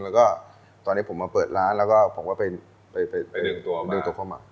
แล้วก็ตอนนี้ผมมาเปิดร้านแล้วก็ผมก็ไปดึงตัวดึงตัวข้าวหมัก